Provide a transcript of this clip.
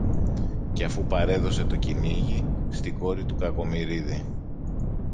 Και αφού παρέδωσε το κυνήγι στην κόρη του Κακομοιρίδη